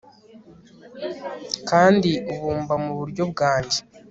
kandi ubumba muburyo bwanjye